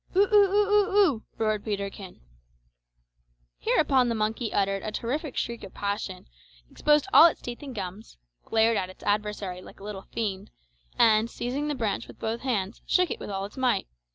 "Oo o o oo o!" roared Peterkin. Hereupon the monkey uttered a terrific shriek of passion, exposed all its teeth and gums, glared at its adversary like a little fiend, and seizing the branch with both hands, shook it with all its might.